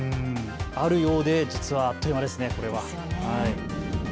あるようで実はあっという間ですねこれは。